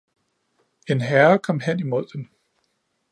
En Herre kom hen imod dem.